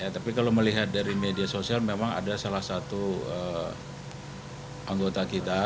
tapi kalau melihat dari media sosial memang ada salah satu anggota kita